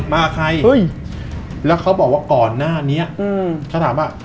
มาใครแล้วเขาบอกว่าก่อนหน้านี้เขาถามว่า